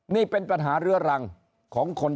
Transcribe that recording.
นี่เป็นปัญหาเรื้อรังของคน